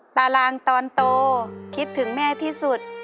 ตารางตอนโตคิดถึงแม่ที่สุด